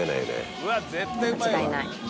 「うわっ絶対うまいわ！」